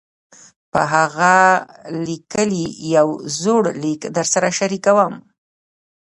پۀ هغه ليکلے يو زوړ ليک درسره شريکووم -